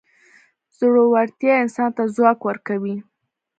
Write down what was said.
زړورتیا انسان ته ځواک ورکوي.